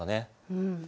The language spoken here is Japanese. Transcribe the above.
うん。